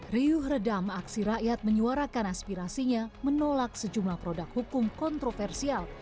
riuh redam aksi rakyat menyuarakan aspirasinya menolak sejumlah produk hukum kontroversial